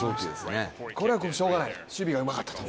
これはしょうがない守備がうまかったと。